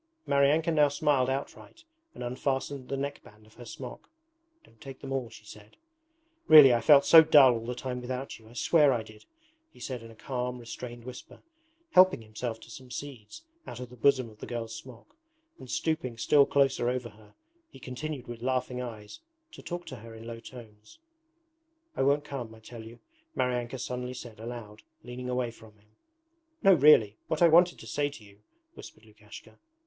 Maryanka now smiled outright and unfastened the neckband of her smock. 'Don't take them all,' she said. 'Really I felt so dull all the time without you, I swear I did,' he said in a calm, restrained whisper, helping himself to some seeds out of the bosom of the girl's smock, and stooping still closer over her he continued with laughing eyes to talk to her in low tones. 'I won't come, I tell you,' Maryanka suddenly said aloud, leaning away from him. 'No really ... what I wanted to say to you, ...' whispered Lukashka.